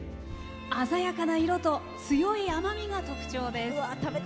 鮮やかな色と強い甘みが特徴です。